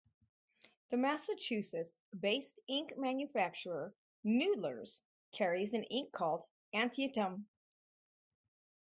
The Massachusetts based ink manufacturer Noodler's carries an ink called Antietam.